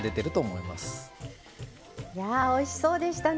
いやおいしそうでしたね。